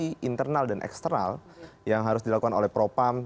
ini internal dan eksternal yang harus dilakukan oleh propam